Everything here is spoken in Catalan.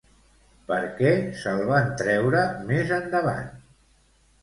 Per què se'l van treure més endavant?